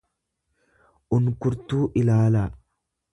unkurtuu ilaalaa.